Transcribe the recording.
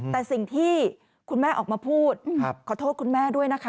แต่สิ่งที่คุณแม่ออกมาพูดขอโทษคุณแม่ด้วยนะคะ